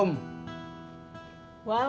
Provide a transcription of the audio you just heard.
mending nya duduk dulu